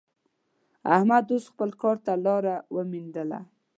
احمد اوس خپل کار ته لاره ومېندله.